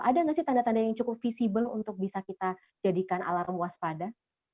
ada nggak sih tanda tanda yang cukup visible untuk bisa kita jadikan alarm waspada